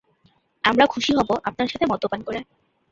আমরা খুশি হব আপনার সাথে মদ্যপান করে।